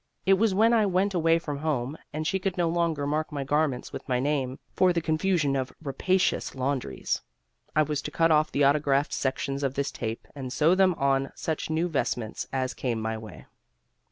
It was when I went away from home and she could no longer mark my garments with my name, for the confusion of rapacious laundries. I was to cut off the autographed sections of this tape and sew them on such new vestments as came my way.